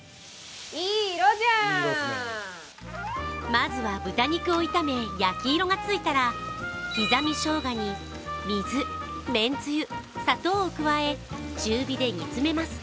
まずは豚肉を炒め、焼き色がついたら刻みしょうがに水、麺つゆ、砂糖を加え、中火で煮詰めます。